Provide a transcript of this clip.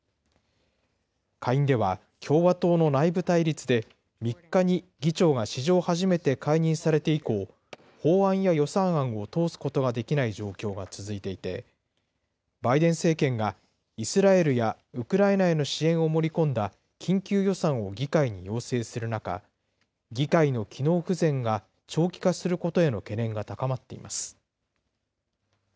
下院では、共和党の内部対立で、３日に議長が史上初めて解任されて以降、法案や予算案を通すことができない状況が続いていて、バイデン政権がイスラエルやウクライナへの支援を盛り込んだ緊急予算を議会に要請する中、議会の機能不全が長期化することへの懸念が高まっています。